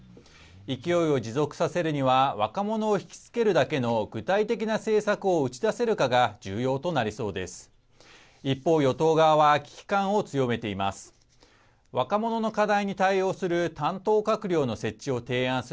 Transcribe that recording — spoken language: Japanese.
勢いを持続させるには若者をひきつけるだけの具体的な政策を打ち出せるかが重要となりそうです。